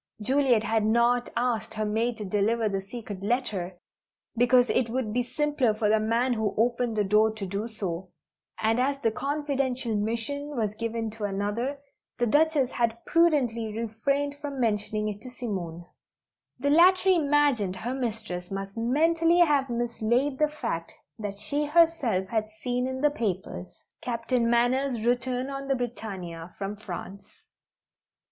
Juliet had not asked her maid to deliver the secret letter, because it would be simpler for the man who opened the door to do so, and as the confidential mission was given to another, the Duchess had prudently refrained for mentioning it to Simone. The latter imagined her mistress must mentally have mislaid the fact that she herself had seen in the papers: Captain Manners' return on the Britannia, from France.